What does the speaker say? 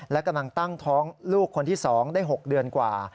และกำลังตั้งท้องลูกคนที่๒ได้๖เดือนกว่า